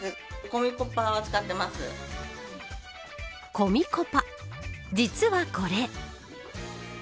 コミコパ実はこれ。